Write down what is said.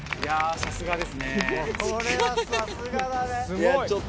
さすがですね。